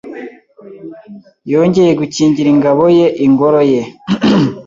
yongeye gukingira ingabo ye ingoro ye